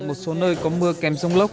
một số nơi có mưa kèm dông lốc